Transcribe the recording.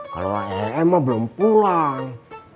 kalau em mah belum pulang